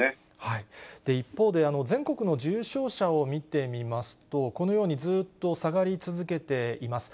一方で、全国の重症者を見てみますと、このように、ずーっと下がり続けています。